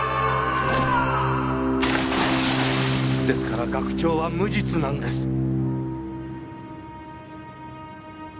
ですから学長は無実なんです！